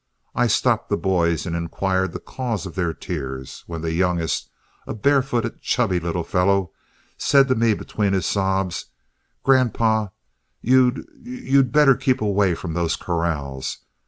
I stopped the boys and inquired the cause of their tears, when the youngest, a barefooted, chubby little fellow, said to me between his sobs, "Grandpa, you'd you'd you'd better keep away from those corrals.